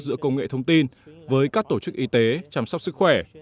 giữa công nghệ thông tin với các tổ chức y tế chăm sóc sức khỏe